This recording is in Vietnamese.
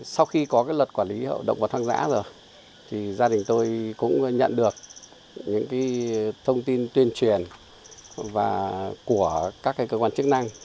sau khi có luật quản lý hậu động vật hoang dã rồi thì gia đình tôi cũng nhận được những thông tin tuyên truyền của các cơ quan chức năng